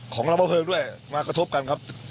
ของเราเพลิงด้วยมากระทบกันครับ